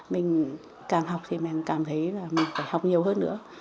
mình càng học thì mình cảm thấy là mình phải học nhiều hơn nữa